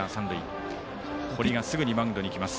堀がすぐにマウンドに行きます。